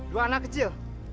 dua anak kecil